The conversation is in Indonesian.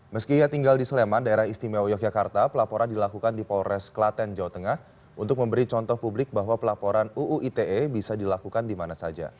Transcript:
meski ia tinggal di sleman daerah istimewa yogyakarta pelaporan dilakukan di polres kelaten jawa tengah untuk memberi contoh publik bahwa pelaporan uu ite bisa dilakukan di mana saja